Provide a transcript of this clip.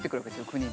国に。